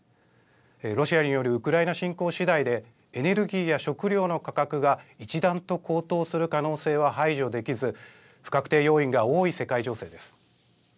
ロシアによるウクライナ侵攻しだいで、エネルギーや食料の価格が一段と高騰する可能性は排除できず、不確定要因が多い世界情勢です。